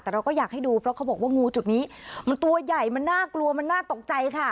แต่เราก็อยากให้ดูเพราะเขาบอกว่างูจุดนี้มันตัวใหญ่มันน่ากลัวมันน่าตกใจค่ะ